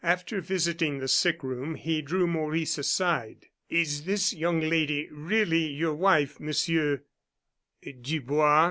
After visiting the sick room, he drew Maurice aside. "Is this young lady really your wife, Monsieur Dubois?"